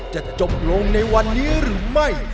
จะจบลงในวันนี้หรือไม่